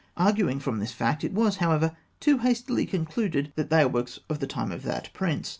Arguing from this fact, it was, however, too hastily concluded that they are works of the time of that prince.